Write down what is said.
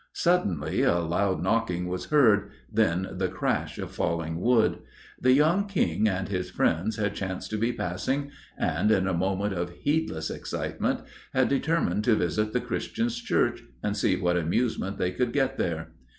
Suddenly a loud knocking was heard, then the crash of falling wood. The young King and his friends had chanced to be passing, and, in a moment of heedless excitement, had determined to visit the Christian's church, and see what amusement they could get there.